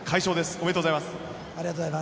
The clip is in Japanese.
ありがとうございます。